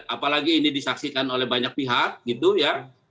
apalagi ini disaksikan oleh banyak pihak gitu ya